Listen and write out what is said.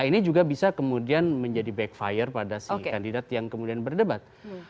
ini juga bisa kemudian menjadi backfire pada si kandidat yang kemudian berdebat